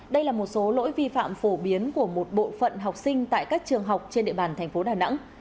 đây là một số lỗi vi phạm phổ biến của một bộ phận học sinh tại các trường học trên địa bàn thành phố đà nẵng